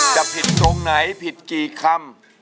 จะผิดตรงไหนผิดกี่คำ